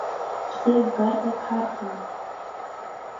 Ԥсеивгарҭак ҳарҭон…